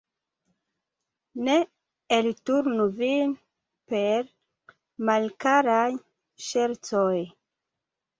Ne elturnu vin per malkaraj ŝercoj!